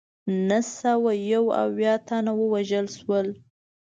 نهه سوه یو اویا تنه ووژل شول.